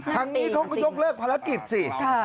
ทางนี้เขาก็ยกเลิกภารกิจสิ